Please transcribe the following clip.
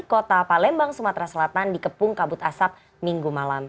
kota palembang sumatera selatan dikepung kabut asap minggu malam